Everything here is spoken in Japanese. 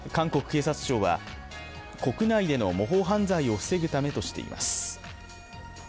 警察庁は、国内での模倣犯罪を防ぐためとしています。